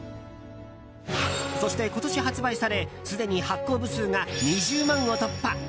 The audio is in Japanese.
そして、今年発売されすでに発行部数が２０万を突破。